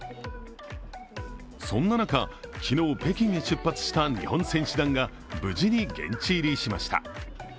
そんな中、昨日北京へ出発した日本選手団が無事に現地入りしました。